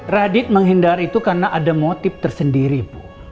radit menghindar itu karena ada motif tersendiri bu